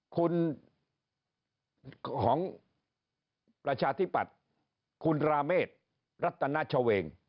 คุณของประชาธิปัตย์คุณราเมฆรัตนาชเวง